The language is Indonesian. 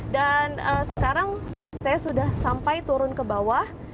dan sekarang saya sudah sampai turun ke bawah